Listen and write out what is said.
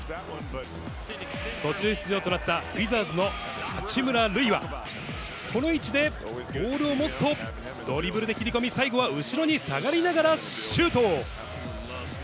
途中出場となったウィザーズの八村塁は、この位置でボールを持つと、ドリブルで切り込み、最後は後ろに下がりながら、シュート。